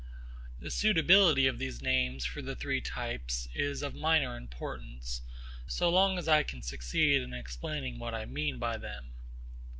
The suitability of these names for the three types is of minor importance, so long as I can succeed in explaining what I mean by them.